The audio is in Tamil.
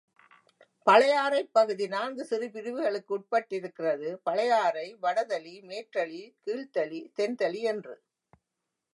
பழையாறைப் பகுதி நான்கு சிறு பிரிவுகளுக்கு உட்பட்டிருக்கிறது பழையாறை வடதளி, மேற்றளி, கீழ்த்தளி, தென் தளி என்று.